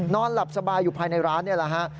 นอนหลับสบายอยู่ภายในร้านนี่แหละฮะ